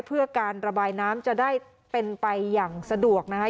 เพื่อการระบายน้ำจะได้เป็นไปอย่างสะดวกนะคะ